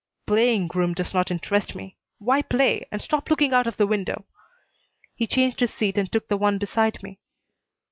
"Playing groom does not interest me. Why play? And stop looking out of the window." He changed his seat and took the one beside me.